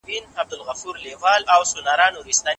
هغې هېڅکله له خپل کار څخه شکایت نه و کړی.